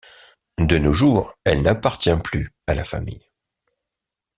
De nos jours, elle n’appartient plus à la famille.